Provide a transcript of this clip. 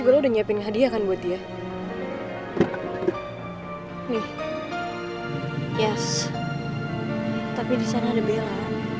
tapi disana ada bella